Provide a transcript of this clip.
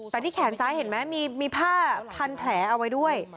แต่ที่แขนซ้ายเห็นไหมมีผ้าพันแผลเอาไว้ด้วย